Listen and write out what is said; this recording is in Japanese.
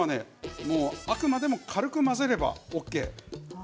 あくまでも軽く混ぜればＯＫ。